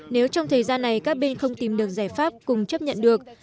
nếu trong thời gian này các bên không tìm được giải pháp cùng chấp nhận được